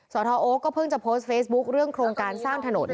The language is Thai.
สทโอ๊คก็เพิ่งจะโพสต์เฟซบุ๊คเรื่องโครงการสร้างถนน